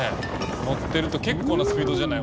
乗ってると結構なスピードじゃない？